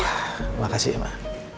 wah makasih ya mbak